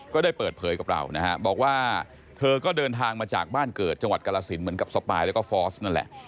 ก็ได้เปิดเผยกับเรานะฮะบอกว่าเธอก็เดินทางมาจากบ้านเกิดจังหวัดกรสินเหมือนกับสปายแล้วก็ฟอร์สนั่นแหละ